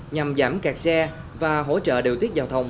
nhằm giảm kẹt xe và hỗ trợ điều tiết giao thông